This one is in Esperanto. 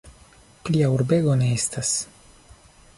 Plia urbego ne estas.